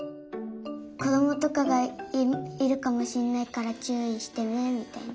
こどもとかがいるかもしれないからちゅういしてねみたいな。